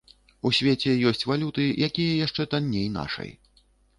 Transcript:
У свеце ёсць валюты, якія яшчэ танней нашай.